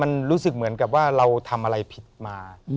มันรู้สึกเหมือนกับว่าเราทำอะไรผิดมา